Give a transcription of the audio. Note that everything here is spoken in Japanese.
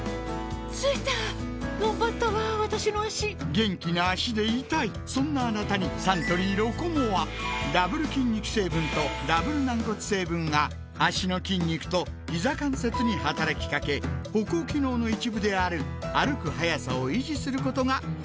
着いたがんばったわ私の脚元気な脚でいたいそんなあなたにサントリー「ロコモア」ダブル筋肉成分とダブル軟骨成分が脚の筋肉とひざ関節に働きかけ歩行機能の一部である歩く速さを維持することが報告されています